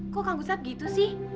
kok kang gusap gitu sih